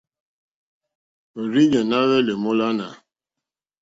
Òrzìɲɛ́ ná hwɛ́lɛ̀ èmólánà.